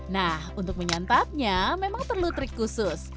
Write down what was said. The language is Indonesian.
nah untuk menyantapnya memang perlu trik khusus